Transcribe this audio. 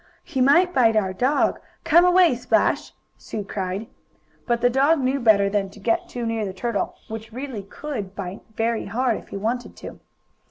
"He might bite our dog! Come away, Splash!" Sue cried. But the dog knew better than to get too near the turtle, which really could bite very hard if he wanted to.